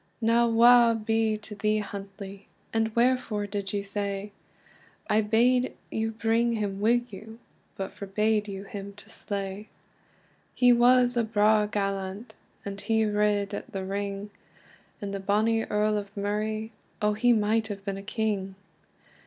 "Now wae be to thee, Huntly! And wherefore did you sae? I bade you bring him wi you, But forbade you him to slay." He was a braw gallant, And he rid at the ring; And the bonny Earl of Murray, Oh he might have been a King!